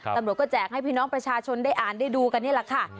ตำรวจก็แจกให้พี่น้องประชาชนได้อ่านได้ดูกันนี่แหละค่ะ